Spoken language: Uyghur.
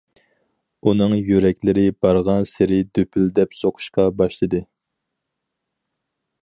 ئۇنىڭ يۈرەكلىرى بارغانسېرى دۈپۈلدەپ سوقۇشقا باشلىدى.